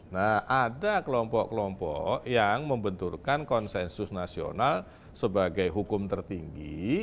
nah ada kelompok kelompok yang membenturkan konsensus nasional sebagai hukum tertinggi